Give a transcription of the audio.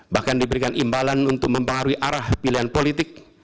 bahkan diberikan imbalan untuk mempengaruhi arah pilihan politik